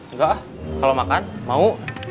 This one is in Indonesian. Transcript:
enggak ah kalau makan mau